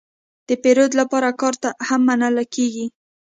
د پیرود لپاره کارت هم منل کېږي.